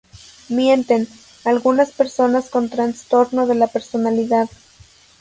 Mienten, algunas personas con trastorno de la personalidad.